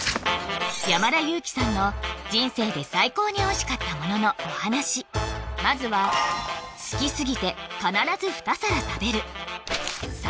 山田裕貴さんの人生で最高においしかったもののお話まずは好きすぎてえ磯